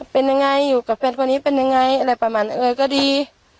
เป็นยังไงอยู่กับแฟนคนนี้เป็นยังไงอะไรประมาณเออก็ดี